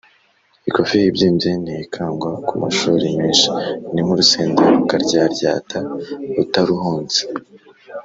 ikofi ibyimbye ntiyikangwa , ku mashuri menshi ni nk’urusenda rukaryaryata utaruhonze!